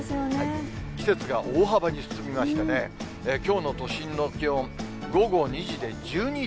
季節が大幅に進みましてね、きょうの都心の気温、午後２時で１２．１度。